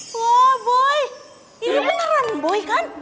wah boy ini beneran boy kan